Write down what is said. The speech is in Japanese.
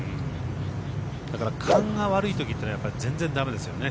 だから勘が悪い時というのは全然だめですよね。